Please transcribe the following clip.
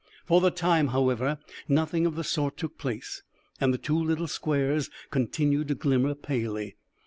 For the time, however, nothing of the sort took place, and the two little squares continued to glimmer palely.